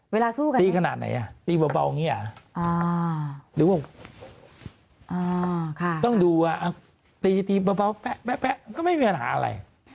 เวลาสู้กันเนี่ยตีขนาดไหนอ่ะตีเบาอย่างนี้อ่ะหรือว่าต้องดูอ่ะตีเบาแป๊ะก็ไม่มีปัญหาอะไร